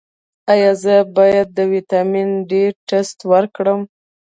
ایا زه باید د ویټامین ډي ټسټ وکړم؟